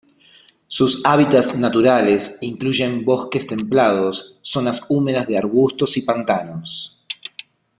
Sus hábitats naturales incluyen bosques templados, zonas húmedas de arbustos y pantanos.